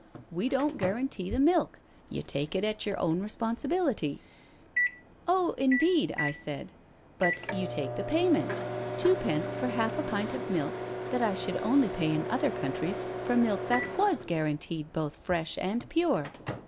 ' We don't guarantee the milk— you take it on your own responsibility/ * Oh, indeed/ I said, * but you take the payment, twopence for half a pint of milk that I should only pay in other countries for milk that was guaranteed both fresh and pure.